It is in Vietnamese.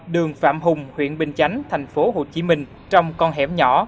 đường phạm hùng huyện bình chánh thành phố hồ chí minh trong con hẻm nhỏ